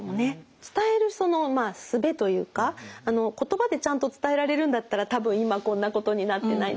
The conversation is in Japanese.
伝えるそのすべというか言葉でちゃんと伝えられるんだったら多分今こんなことになってないでしょうね。